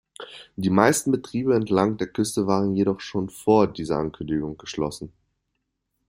Die meisten Betriebe entlang der Küste waren jedoch schon vor dieser Ankündigung geschlossen.